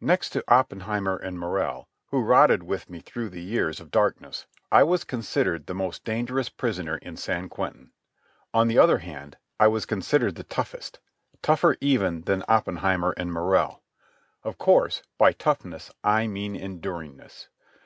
Next to Oppenheimer and Morrell, who rotted with me through the years of darkness, I was considered the most dangerous prisoner in San Quentin. On the other hand I was considered the toughest—tougher even than Oppenheimer and Morrell. Of course by toughness I mean enduringness.